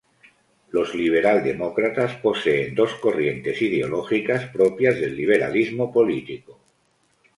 Los Liberal Demócratas poseen dos corrientes ideológicas propias del Liberalismo político.